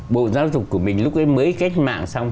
bộ giáo dục của mình lúc ấy mới cách mạng xong